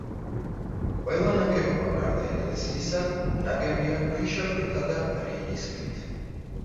ყველა ნაგებობა, გარდა ეკლესიისა, ნაგებია ქვიშაქვითა და რიყის ქვით.